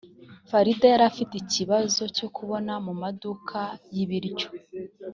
farida yari afite ikibazo cyo kubona mu maduka y ibiryo